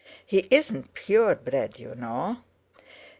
He isn't purebred you know."